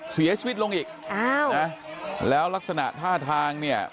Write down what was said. เสียชีวิตลงอีกแล้วลักษณะท่าทาง